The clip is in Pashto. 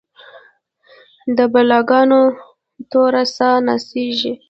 د بلا ګانو توره ساه نڅیږې